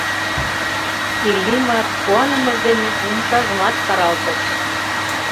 Иллимар куанымыж дене умшажымат каралтыш.